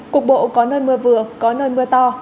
cục bộ có nơi mưa vừa có nơi mưa to